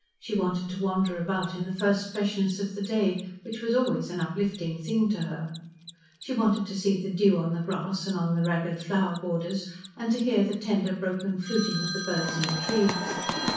She wanted to wander about in the first freshness of the day, which was always an uplifting thing to her. She wanted to see the dew on the grass and on the ragged flower borders and to hear the tender, broken fluting of birds in the trees.